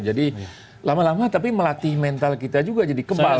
jadi lama lama tapi melatih mental kita juga jadi kebal gitu